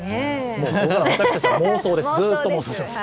もう私たちの妄想です。